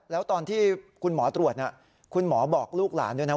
แล้วตอนที่คุณหมอตรวจคุณหมอบอกลูกหลานด้วยนะ